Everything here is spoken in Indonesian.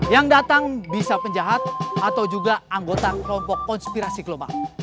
yang datang bisa penjahat atau juga anggota kelompok konspirasi global